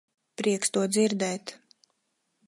Prieks to dzirdēt.